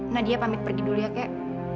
nadia pamit pergi dulu ya kek